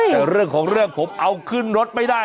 แต่เรื่องของเรื่องผมเอาขึ้นรถไม่ได้